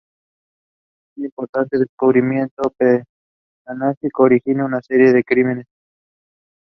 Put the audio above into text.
Un importante descubrimiento paleontológico origina una serie de crímenes.